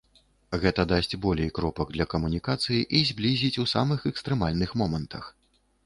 Гэта дасць болей кропак для камунікацыі і зблізіць у самых экстрэмальных момантах.